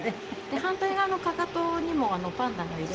反対側のかかとにもパンダがいるんですけど。